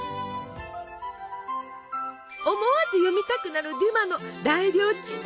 思わず読みたくなるデュマの「大料理事典」。